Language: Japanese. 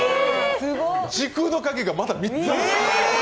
時空の鍵がまだ３つある！？